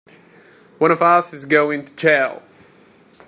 One of us is going to jail!